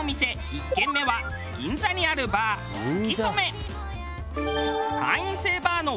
１軒目は銀座にあるバーつきそめ。